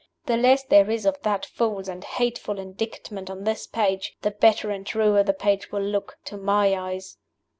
The less there is of that false and hateful Indictment on this page, the better and truer the page will look, to my eyes.